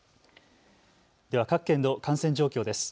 では各県の感染状況です。